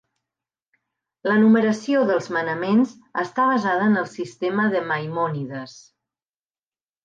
La numeració dels manaments està basada en el sistema de Maimònides.